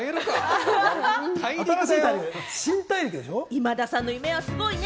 今田さんの夢はすごいね！